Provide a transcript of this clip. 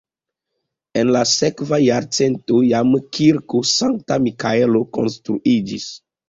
En la sekva jarcento jam kirko Sankta Mikaelo konstruiĝis.